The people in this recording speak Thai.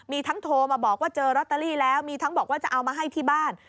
มีทั้งโทรมาบอกว่าเจอลอตเตอรี่แล้วมีทั้งบอกว่าจะเอามาให้ที่บ้าน